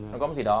nó có một gì đó